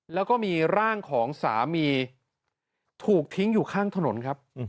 แล้วก็มีร่างของสามีถูกทิ้งอยู่ข้างถนนครับ